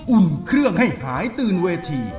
อุ่นเครื่องให้หายตื่นเวที